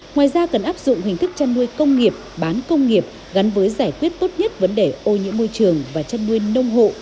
ngoài ra cần áp dụng hình thức chăn nuôi công nghiệp bán công nghiệp gắn với giải quyết tốt nhất vấn đề ô nhiễm môi trường và chăn nuôi nông hộ